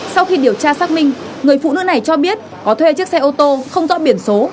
sau khi điều tra xác minh người phụ nữ này cho biết có thuê chiếc xe ô tô không rõ biển số